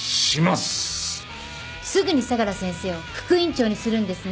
すぐに相良先生を副院長にするんですね？